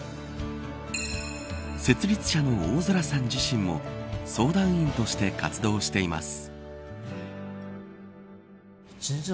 設立者の大空さん自身も相談員として活動しています。